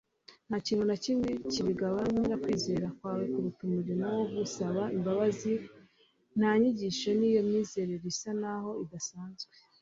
nta kintu na kimwe kibangamira kwizera kwawe kuruta umurimo wo gusaba imbabazi nta nyigisho y'iyo myizerere isa naho idasanzwe